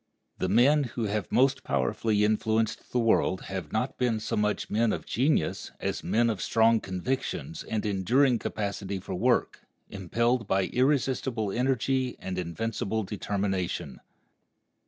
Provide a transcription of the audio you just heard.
The men who have most powerfully influenced the world have not been so much men of genius as men of strong convictions and enduring capacity for work, impelled by irresistible energy and invincible determination.